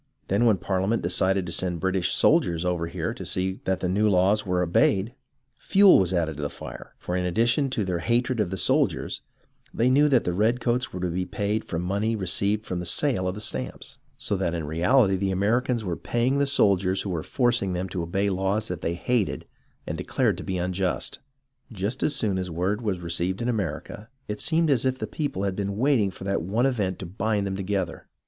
Then when Parliament decided to send British soldiers over here to see that the new laws were obeyed, fuel was added to the iire ; for in addition to their hatred of the soldiers, they knew that the redcoats were to be paid from the money received from the sale of the stamps, so that in reality the Americans were paying the soldiers who were forcing them to obey laws that they hated and declared to be unjust. Just as soon as word was received in America, it seemed as if the people had been waiting for that one event to bind them together.